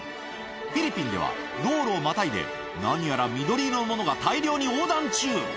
フィリピンでは、道路をまたいで、何やら緑色のものが大量に横断中。